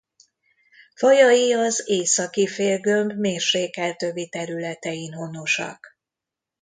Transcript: Fajai az északi félgömb mérsékelt övi területein honosak.